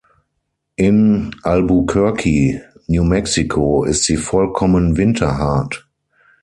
In Albuquerque, New Mexico ist sie vollkommen winterhart.